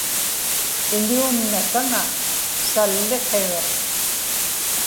iñuum nasaŋa salliqiruq